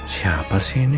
siapa sih ini